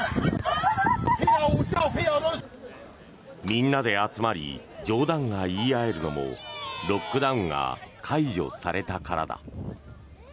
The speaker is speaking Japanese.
みんなで集まり冗談が言い合えるのもロックダウンが解除されたからだ。